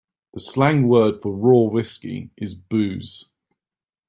The slang word for raw whiskey is booze.